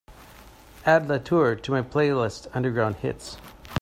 Add LaTour to my playlist underground hits.